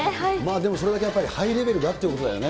でもそれだけハイレベルだってことだよね。